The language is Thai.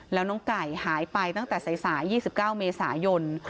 แล้วน้องไก่หายไปตั้งแต่สาย๒๙เมษายน